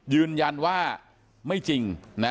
ยืนยันว่าไม่จริง